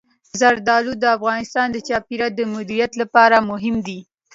زردالو د افغانستان د چاپیریال د مدیریت لپاره مهم دي.